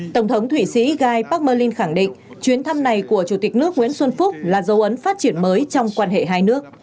tổng thống thụy sĩ gai park mơ linh khẳng định chuyến thăm này của chủ tịch nước nguyễn xuân phúc là dấu ấn phát triển mới trong quan hệ hai nước